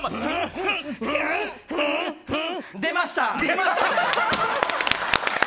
出ました。